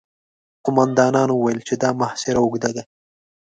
قوماندانانو وويل چې دا محاصره اوږده ده.